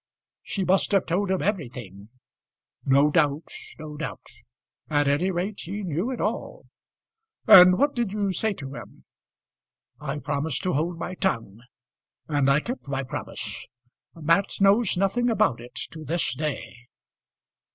"She must have told him everything." "No doubt, no doubt. At any rate he knew it all." "And what did you say to him?" "I promised to hold my tongue; and I kept my promise. Mat knows nothing about it to this day."